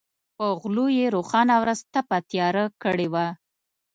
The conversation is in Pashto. په غلو یې روښانه ورځ تپه تیاره کړې وه.